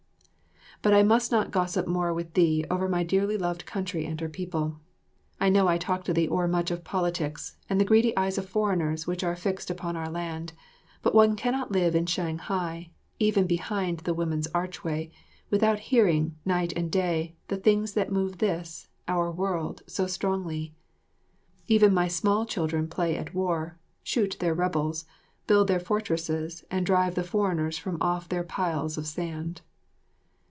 But I must not gossip more with thee over my dearly loved country and her people. I know I talk to thee o'ermuch of politics and the greedy eyes of foreigners which are fixed upon our land, but one cannot live in Shanghai, even behind the women's archway, without hearing, night and day, the things that move this, our world, so strongly. Even my small children play at war, shoot their rebels, build their fortresses and drive the foreigners from off their piles of sand.